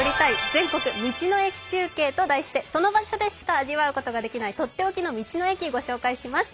全国の道の駅中継」と題してその場所でしか味わうことができないとっておきの道の駅をご紹介します。